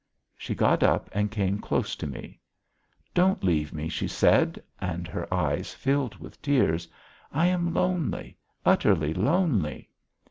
She got up and came close to me. "Don't leave me," she said, and her eyes filled with tears. "I am lonely, utterly lonely."